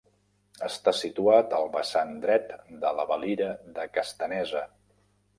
Està situat al vessant dret de la Valira de Castanesa.